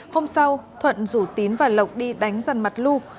hôm sau thuận rủ tín và lộc đi đánh dần mặt lu